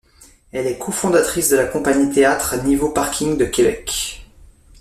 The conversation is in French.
Elle est la cofondatrice de la compagnie théâtre Niveau Parking de Québec.